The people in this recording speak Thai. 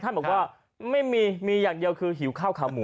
บอกว่าไม่มีมีอย่างเดียวคือหิวข้าวขาหมู